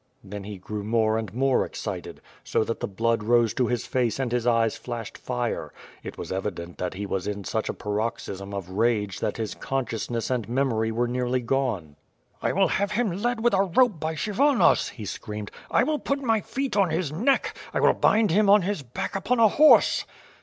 Tlien he grew more and more excited, so that the blood rose to his face and his eyes fiaslied fire. It was evident that he was in such a paroxysm of rage that his consciousness and memory were nearly gone. "I will have him led with a rope by Kshyvonos," he screamed. "I will put my feet on his neck; I will bind him on his back upon a horse!"